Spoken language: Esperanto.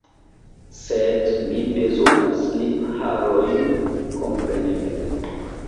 Sed mi bezonas lipharojn, kompreneble.